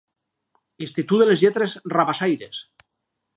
Institut de les lletres rabassaires.